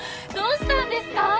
どうしたんですか？